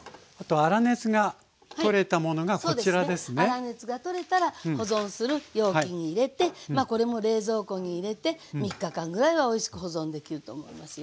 粗熱が取れたら保存する容器に入れてこれも冷蔵庫に入れて３日間ぐらいはおいしく保存できると思いますよ。